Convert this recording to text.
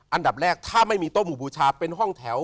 อันดับแรกถ้าไม่มีโต๊ะหมู่บูชาเป็นห้องแถว